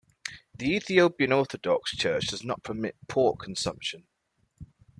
The Ethiopian Orthodox Church does not permit pork consumption.